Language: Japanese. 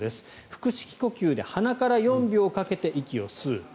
腹式呼吸で鼻から４秒かけて息を吸う。